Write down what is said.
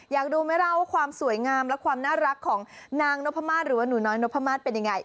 อยากรู้ไหมล่ะว่าความสวยงามและความน่ารักของนางนพมาศหรือว่าหนูน้อยนพมาศเป็นยังไง